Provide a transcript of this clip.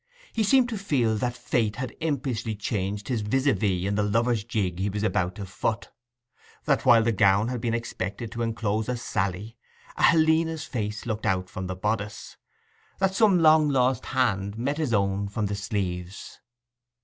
He seemed to feel that fate had impishly changed his vis à vis in the lover's jig he was about to foot; that while the gown had been expected to enclose a Sally, a Helena's face looked out from the bodice; that some long lost hand met his own from the sleeves.